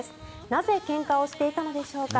なぜけんかをしていたのでしょうか。